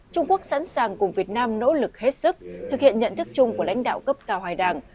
trung quốc sẵn sàng cùng việt nam nỗ lực hết sức thực hiện nhận thức chung của lãnh đạo cấp cao hai đảng